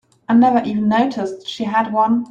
I never even noticed she had one.